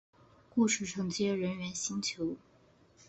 故事承接人猿星球。